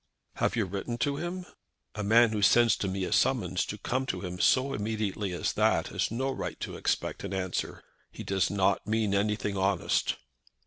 "Have you written to him?" "There is no need. A man who sends to me a summons to come to him so immediately as that has no right to expect an answer. He does not mean anything honest."